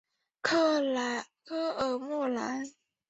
科尔莫兰。